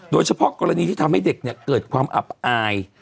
โดยเฉพาะกรณีที่ทำให้เด็กเกิดความอับอาย